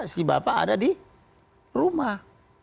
si bapak ada di rumah